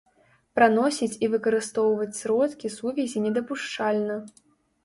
Праносіць і выкарыстоўваць сродкі сувязі недапушчальна.